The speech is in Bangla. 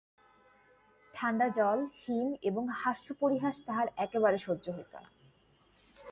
ঠাণ্ডা জল, হিম, এবং হাস্যপরিহাস তাহার একেবারে সহ্য হইত না।